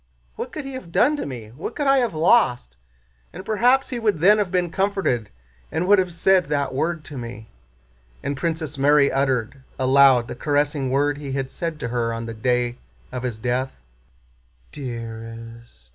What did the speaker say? What could he have done to me? What could I have lost? And perhaps he would then have been comforted and would have said that word to me." And Princess Mary uttered aloud the caressing word he had said to her on the day of his death. "Dear est!"